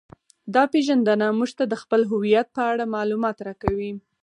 دا پیژندنه موږ ته د خپل هویت په اړه معلومات راکوي